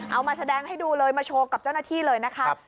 เอามาแสดงให้ดูเลยมาโชว์กับเจ้าหน้าที่เลยนะคะ